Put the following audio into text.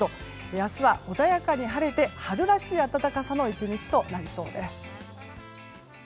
明日は穏やかに晴れて春らしい暖かさの１日となりそうです。